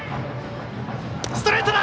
ストレートだ！